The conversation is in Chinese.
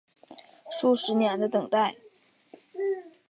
数十年的等待